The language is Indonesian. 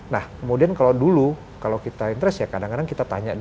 nah kemudian kalau dulu kalau kita interest ya kadang kadang kita tanya